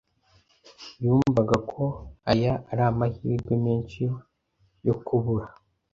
Yumvaga ko aya ari amahirwe menshi yo kubura.